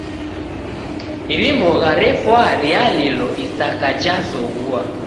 iri mbogha refwa rialilo isaka jazoghua.